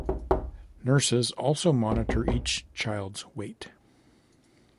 Nurses also monitor each child's weight.